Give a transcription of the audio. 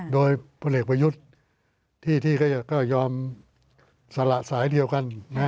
โดยพลเอกประยุทธ์ที่ก็ยอมสละสายเดียวกัน